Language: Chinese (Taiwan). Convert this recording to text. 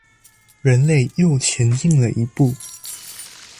人類又前進了一步